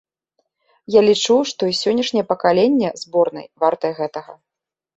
Я лічу, што і сённяшняе пакаленне зборнай вартае гэтага.